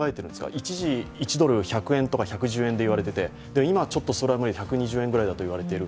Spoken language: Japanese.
一時、１ドル＝１００円とか１１０円でいわれていて今はちょっとそれは無理１２０円ぐらいだと言われている。